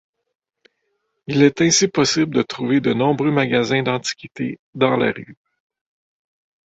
Il est ainsi possible de trouver de nombreux magasins d'antiquités dans la rue.